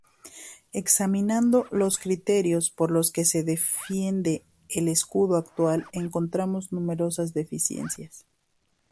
Examinando los criterios por los que se defiende el escudo actual encontramos numerosas deficiencias.